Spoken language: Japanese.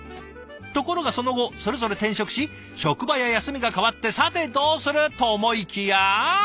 ところがその後それぞれ転職し職場や休みが変わってさてどうする？と思いきや。